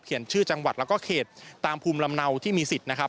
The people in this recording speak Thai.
ชื่อจังหวัดแล้วก็เขตตามภูมิลำเนาที่มีสิทธิ์นะครับ